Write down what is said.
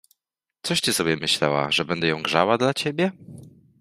— Coś ty sobie myślała, że będę ją grzała dla ciebie?